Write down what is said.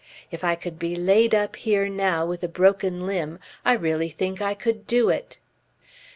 If I could be laid up here now with a broken limb I really think I could do it."